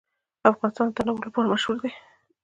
افغانستان د تنوع لپاره مشهور دی.